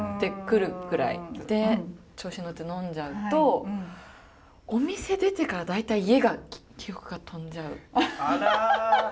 で調子に乗って呑んじゃうとお店出てから大体家が記憶が飛んじゃうタイプ。